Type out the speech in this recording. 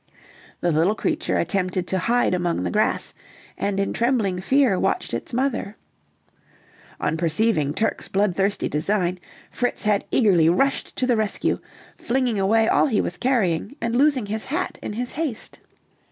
The little creature attempted to hide among the grass, and in trembling fear watched its mother. On perceiving Turk's bloodthirsty design, Fritz had eagerly rushed to the rescue, flinging away all he was carrying, and losing his hat in his haste.